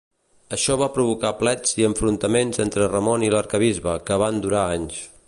Això va provocar plets i enfrontaments entre Ramon i l'arquebisbe, que van durar anys.